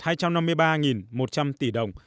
hai trăm năm mươi ba một trăm linh tỷ đồng